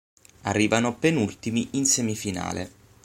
Arrivano penultimi in semifinale.